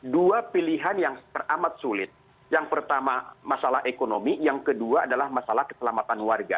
dua pilihan yang teramat sulit yang pertama masalah ekonomi yang kedua adalah masalah keselamatan warga